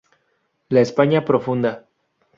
La España profunda.